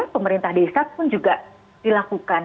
pemerintah desa pun juga dilakukan